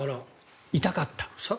痛かった。